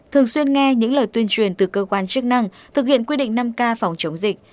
thường xuyên nghe những lời tuyên truyền từ cơ quan chức năng thực hiện quy định năm k phòng chống dịch